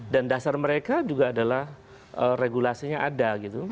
dasar mereka juga adalah regulasinya ada gitu